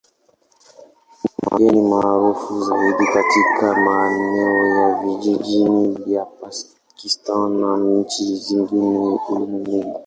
Yeye ni maarufu zaidi katika maeneo ya vijijini ya Pakistan na nchi zingine ulimwenguni.